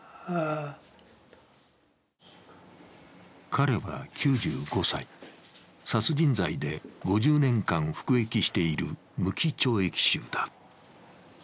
彼は９５歳、殺人罪で５０年間服役している向き懲役囚だ。